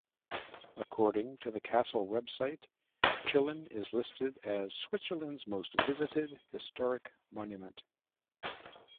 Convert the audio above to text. According to the castle website, Chillon is listed as "Switzerland's most visited historic monument".